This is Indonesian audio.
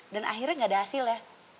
dan akhirnya nggak ada hasil ya